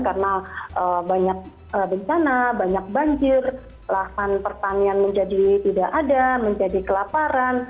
karena banyak bencana banyak banjir lahan pertanian menjadi tidak ada menjadi kelaparan